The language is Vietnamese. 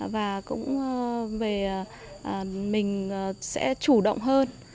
và cũng về mình sẽ chủ động hơn